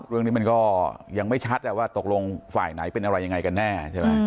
เรื่องนี้มันก็ยังไม่ชัดว่าตกลงฝ่ายไหนเป็นอะไรยังไงกันแน่ใช่ไหม